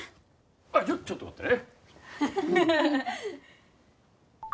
あっちょっと待ってね。